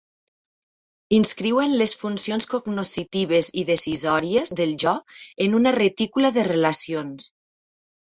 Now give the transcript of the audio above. Inscriuen les funcions cognoscitives i decisòries del jo en una retícula de relacions.